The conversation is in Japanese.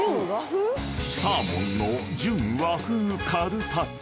［サーモンの純和風カルパッチョ］